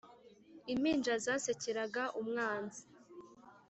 Impinja zasekeraga umwanzi